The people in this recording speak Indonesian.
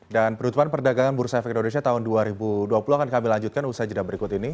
dan penutupan perdagangan bursa efek indonesia tahun dua ribu dua puluh akan kami lanjutkan usai jeda berikut ini